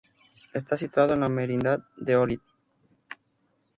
Está situado en la Merindad de Olite.